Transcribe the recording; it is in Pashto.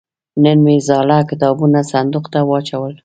نن مې زاړه کتابونه صندوق ته واچول.